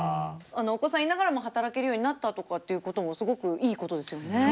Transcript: お子さんいながらも働けるようになったとかっていうこともすごくいいことですよね。